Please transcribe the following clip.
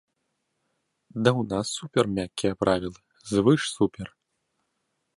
Да ў нас супер мяккія правілы, звыш-супер!